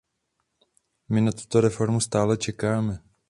My na tuto reformu stále čekáme.